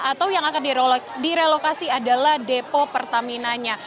atau yang akan direlokasi adalah depo pertaminanya